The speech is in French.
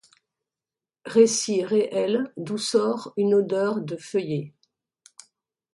Récit réel d'où sort une odeur de feuillées